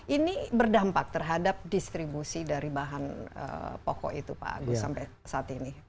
ini berdampak terhadap distribusi dari bahan pokok itu pak agus sampai saat ini